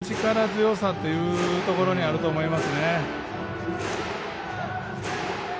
腕の力強さというところにあると思います。